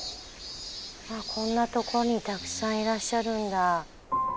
あっこんなとこにたくさんいらっしゃるんだ。